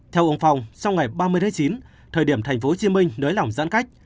theo ông phong sau ngày ba mươi tháng chín thời điểm tp hcm nới lỏng giãn cách